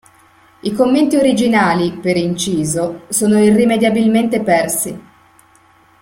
I commenti originali, per inciso, sono irrimediabilmente persi.